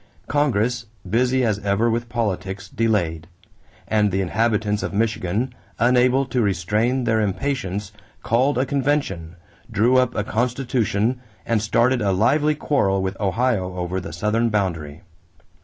Congress, busy as ever with politics, delayed; and the inhabitants of Michigan, unable to restrain their impatience, called a convention, drew up a constitution, and started a lively quarrel with Ohio over the southern boundary.